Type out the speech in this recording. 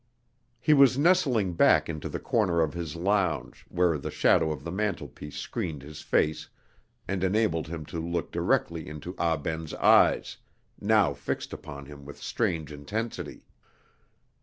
He was nestling back into the corner of his lounge, where the shadow of the mantelpiece screened his face, and enabled him to look directly into Ah Ben's eyes, now fixed upon him with strange intensity.